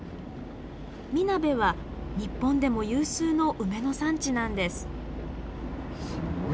南部は日本でも有数の梅の産地なんです。